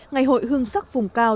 ngày hội hương sắc vùng cao